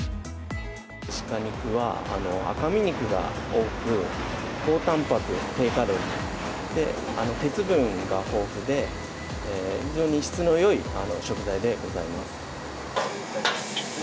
シカ肉は、赤身肉が多く、高たんぱく、低カロリーで、鉄分が豊富で、非常に質のよい食材でございます。